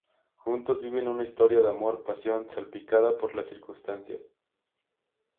Juntos viven una historia de amor-pasión salpicada por las circunstancias.